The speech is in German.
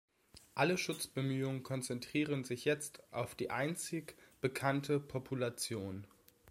Alle Schutzbemühungen konzentrieren sich jetzt auf die einzig bekannte Population.